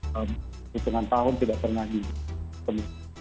kecuali setengah tahun tidak pernah ini